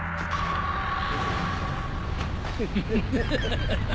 フフフフ